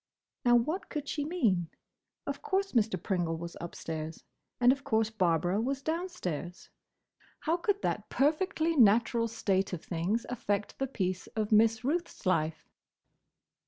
Now, what could she mean? Of course Mr. Pringle was upstairs, and of course Barbara was downstairs. How could that perfectly natural state of things affect the peace of Miss Ruth's life?